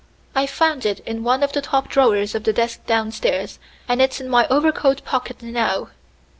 I found it in one of the top drawers of the desk downstairs, and it's in my overcoat pocket now."